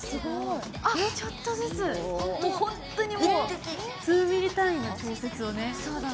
ちょっとずつ、ホントにもう数ミリ単位の調節をね。